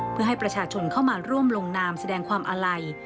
เพื่อให้ประชาชนเข้ามาร่วมลงนามแสดงความอาลัย